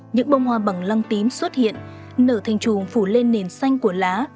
những bông hoa bằng lăng tím xuất hiện nở thành trùm phủ lên nền xanh của lá